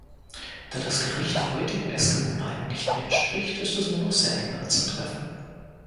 Da das Gericht heutigen Essgewohnheiten nicht mehr entspricht, ist es nur noch selten anzutreffen.